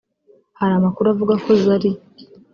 Hari amakuru avuga ko Zari